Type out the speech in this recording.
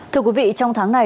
thưa quý vị trong tháng này